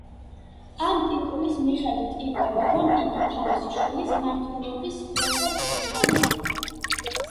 ამ ტიტულის მიხედვით ირკვევა, რომ იგი თავისი შვილის მმართველობის დროსაც ცოცხალი იყო.